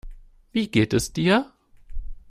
Wie geht es dir?